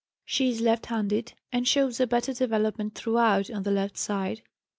She is left handed and shows a better development throughout on the left side.